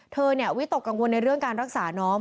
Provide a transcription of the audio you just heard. เธอเนี่ยวิตกกังวลในเรื่องการรักษาน้อง